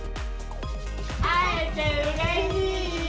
会えてうれしいよ。